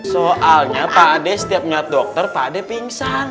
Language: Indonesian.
soalnya pak d setiap lihat dokter pak d pingsan